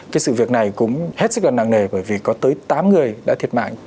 cái sự việc này cũng hết sức là nặng nề bởi vì có tới tám người đã thiệt mạng